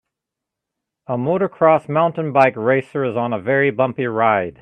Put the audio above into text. A motor Cross mountain bike racer is on a very bumpy ride